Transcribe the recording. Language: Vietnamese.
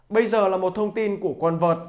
bây giờ là một thông tin của quốc gia